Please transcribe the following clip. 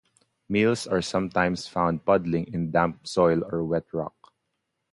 Males are sometimes found puddling in damp soil or wet rock.